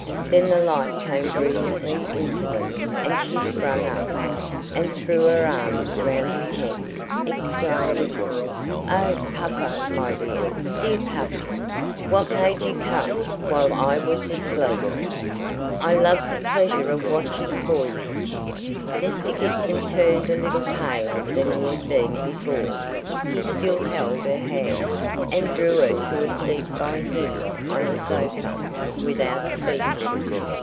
Then the light came brilliantly into them and she sprang up, and threw her arms round his neck, exclaiming, "Oh, papa, my dear, dear papa! What made you come while I was asleep? I lose the pleasure of watching for you." Mr. Gibson turned a little paler than he had been before. He still held her hand, and drew her to a seat by him on a sofa, without speaking.